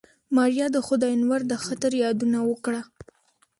ماريا د خداينور د خطر يادونه وکړه.